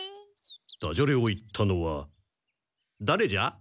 ダジャレを言ったのはだれじゃ？